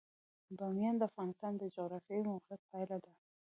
بامیان د افغانستان د جغرافیایي موقیعت پایله ده.